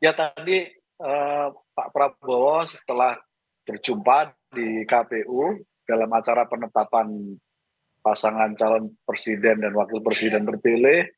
ya tadi pak prabowo setelah berjumpa di kpu dalam acara penetapan pasangan calon presiden dan wakil presiden terpilih